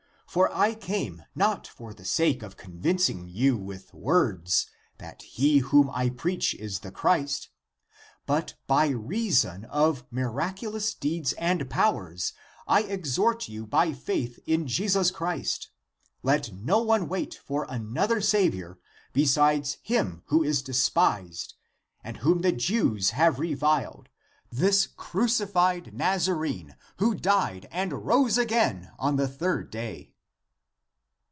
For (I came) not for the sake of convincing you with words, that he whom I preach is the Christ, but by reason of ACTS OF PETER 71 miraculous deeds and powers I exhort you by faith in Jesus Christ, let no one wait for another (Sav iour) besides him who is despised and whom the Jews have reviled, this crucified Nazarene, who died and rose again on the third day."